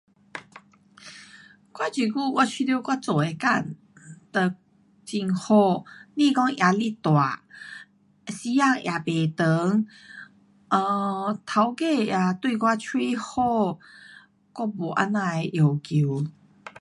我这久我觉得我做的工就很好，不讲压力大，时间也不长，[um]taukei 也对我蛮好，我们这样的要